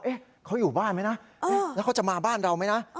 เขาอยู่บ้านไหมนะแล้วเขาจะมาบ้านเราไหมนะ